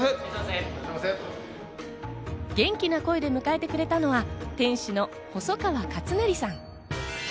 元気な声で迎えてくれたのは店主の細川勝也さん。